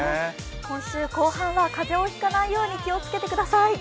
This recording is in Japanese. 今週後半は風邪をひかないように気をつけてください。